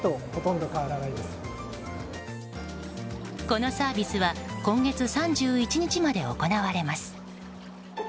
このサービスは今月３１日まで行われます。